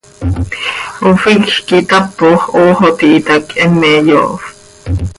Oficj quih itapox, ox oo tihitac, heme yoofp.